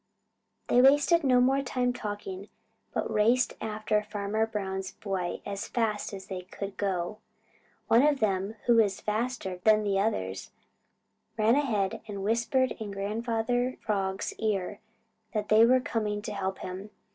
They wasted no more time talking, but raced after Farmer Brown's boy as fast as they could go. One of them, who was faster than the others, ran ahead and whispered in Grandfather Frog's ear that they were coming to help him.